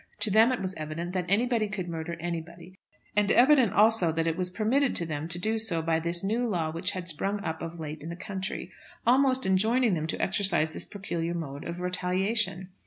To them it was evident that anybody could murder anybody; and evident also that it was permitted to them to do so by this new law which had sprung up of late in the country, almost enjoining them to exercise this peculiar mode of retaliation.